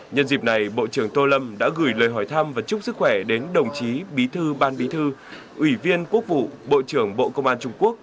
nhân dịp này bộ trưởng tô lâm đã gửi lời hỏi thăm và chúc sức khỏe đến đồng chí bí thư ban bí thư ủy viên quốc vụ bộ trưởng bộ công an trung quốc